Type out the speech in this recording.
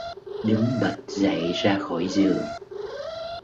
Đứng bật dậy ra khỏi giường